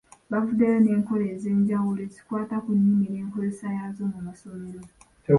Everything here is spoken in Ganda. Bavuddeyo n’enkola ez’enjawulo ezikwata ku nnimi n’enkozesa yaazo mu masomero.